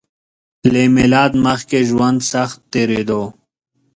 له میلاد مخکې ژوند سخت تېریدو